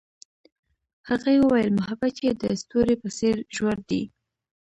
هغې وویل محبت یې د ستوري په څېر ژور دی.